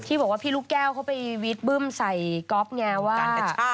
ที่บอกว่าพี่ลูกแก้วเขาไปวิทธิ์บึ้มใส่ก๊อฟไงว่า